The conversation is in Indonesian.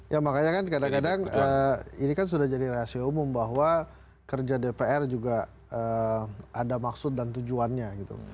ya makanya kan kadang kadang ini kan sudah jadi rahasia umum bahwa kerja dpr juga ada maksud dan tujuannya gitu